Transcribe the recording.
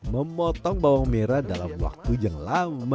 memotong bawang merah dalam waktu yang lama